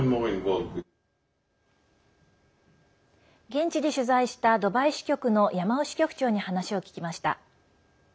現地で取材したドバイ支局の山尾支局長に話を聞きました。